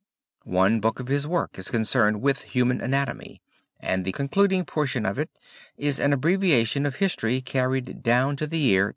One book of his work is concerned with human anatomy, and the concluding portion of it is an abbreviation of history carried down to the year 1250."